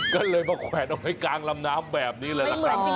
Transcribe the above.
ก็เลยมาแขวนเอาไว้กลางลำน้ำแบบนี่เลย